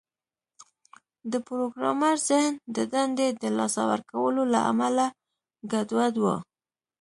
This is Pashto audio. د پروګرامر ذهن د دندې د لاسه ورکولو له امله ګډوډ و